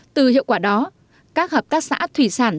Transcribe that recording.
từ hiệu quả đó các hợp tác xã thủy sản